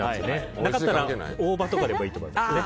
なかったら大葉とかでもいいと思います。